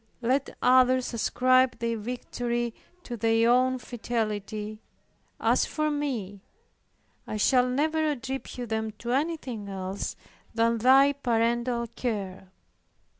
Let others ascribe their victory to their own fidelity. As for me, I shall never attribute them to anything else than thy paternal care.